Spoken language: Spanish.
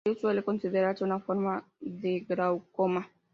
Por ello suele considerarse una forma de glaucoma.